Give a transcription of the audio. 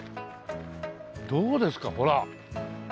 どうですかほら。